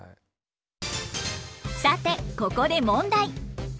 さてここで問題！